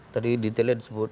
tadi detailnya disebut